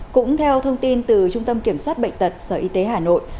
cũng theo thông tin từ trung tâm kiểm soát bệnh tật sở y tế hà nội